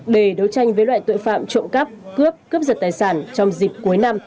để đấu tranh với loại tội phạm trộm cắp cướp cướp giật tài sản trong dịp cuối năm